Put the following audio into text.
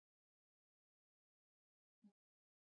ننګرهار د افغانستان د هیوادوالو لپاره ویاړ دی.